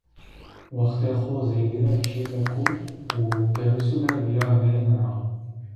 Waxtê xo zêdire çê be ko u gerisu de viyarnêne ra.